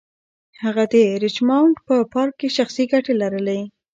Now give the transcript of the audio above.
هغه د ریچمونډ په پارک کې شخصي ګټې لرلې.